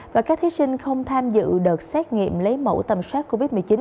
và các thí sinh không tham dự đợt xét nghiệm lấy mẫu tầm soát covid một mươi chín